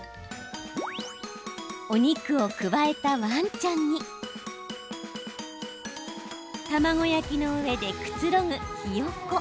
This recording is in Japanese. お肉をくわえたワンちゃんに卵焼きの上でくつろぐ、ひよこ。